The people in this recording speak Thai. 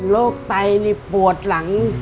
ไตนี่ปวดหลัง